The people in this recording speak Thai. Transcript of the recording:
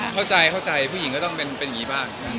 เข้าใจเข้าใจผู้หญิงก็ต้องเป็นอย่างนี้บ้าง